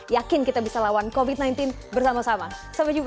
yakin kita bisa lawan covid sembilan belas bersama sama sampai jumpa